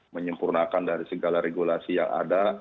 menyempurnakan dari segala regulasi yang ada